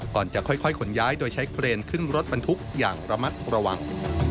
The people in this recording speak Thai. ก่อนจะค่อยขนย้ายโดยใช้เครนขึ้นรถบรรทุกอย่างระมัดระวัง